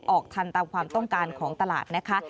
ออกทันตามความต้องการของตลาดนะคะ